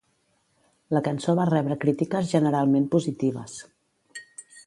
La cançó va rebre crítiques generalment positives.